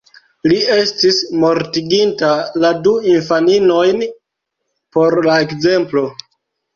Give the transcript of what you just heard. Li estis mortiginta la du infaninojn por la ekzemplo.